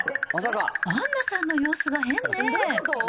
アンナさんの様子が変ね。